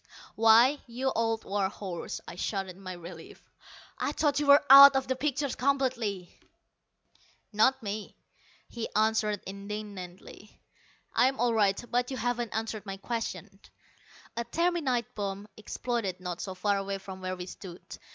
"Why, you old war horse," I shouted in my relief, "I thought you were out of the picture completely!" "Not me," he answered indignantly. "I'm all right. But you haven't answered my question." A terminite bomb exploded not so far away from where we stood.